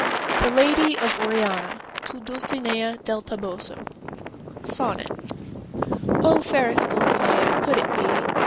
THE LADY OF ORIANA To Dulcinea del Toboso SONNET Oh, fairest Dulcinea, could it be!